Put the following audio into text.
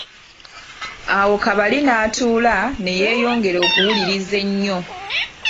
Awo Kabali n'atuula ne yeyongera okuwuliriza ennyo.